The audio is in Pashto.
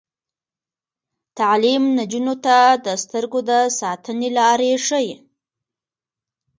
تعلیم نجونو ته د سترګو د ساتنې لارې ښيي.